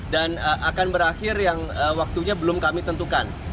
dan akan berakhir yang waktunya belum kami tentukan